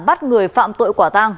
bắt người phạm tội quả tang